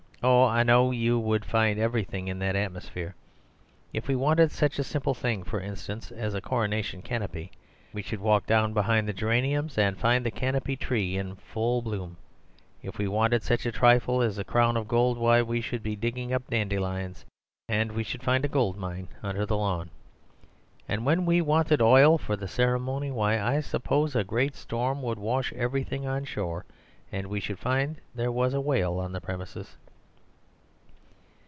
"Oh, I know you would find everything in that atmosphere. If we wanted such a simple thing, for instance, as a Coronation Canopy, we should walk down beyond the geraniums and find the Canopy Tree in full bloom. If we wanted such a trifle as a crown of gold, why, we should be digging up dandelions, and we should find a gold mine under the lawn. And when we wanted oil for the ceremony, why I suppose a great storm would wash everything on shore, and we should find there was a Whale on the premises."